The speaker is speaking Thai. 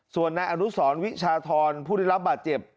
ส่วนนายอนุสรวิชาธรผู้ได้รับบาดเจ็บ